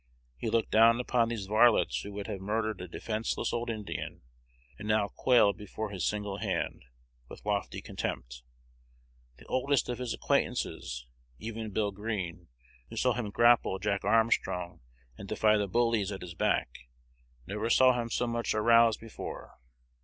He looked down upon these varlets who would have murdered a defenceless old Indian, and now quailed before his single hand, with lofty contempt. The oldest of his acquaintances, even Bill Green, who saw him grapple Jack Armstrong and defy the bullies at his back, never saw him so much "aroused" before.